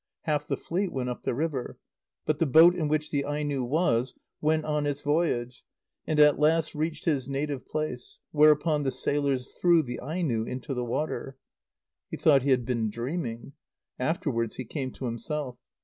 Half the fleet went up the river. But the boat in which the Aino was went on its voyage, and at last reached his native place, whereupon the sailors threw the Aino into the water. He thought he had been dreaming. Afterwards he came to himself.